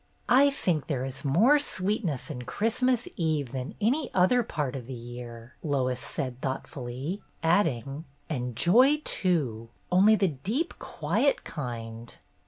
"I think there is more sweetness in Christ mas Eve than any other part of the year," Lois said thoughtfully; adding, "and joy, too, only the deep, quiet kind."